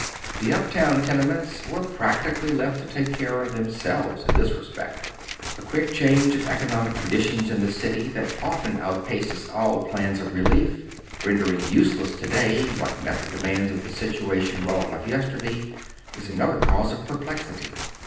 The uptown tenements were practically left to take care of themselves in this respect. The quick change of economic conditions in the city that often out paces all plans of i elief, rendering useless to day what met the demands of the situation well enough j'es terday, is anotlier cause of pei'plexity.